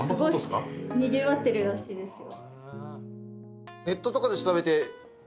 すごいにぎわってるらしいですよ。